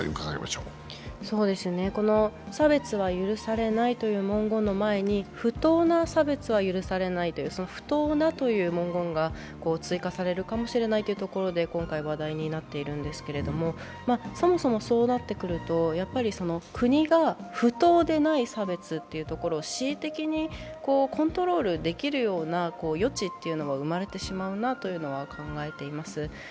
この「差別は許されない」という文言の前に「不当な差別は許されない」という、「不当な」という文言が追加されるかもしれないということで今回、話題になっているんですがそもそも、そうなってくると、国が不当でない差別というところを恣意的にコントロールできるような余地も生まれてしまうなというのは考えています。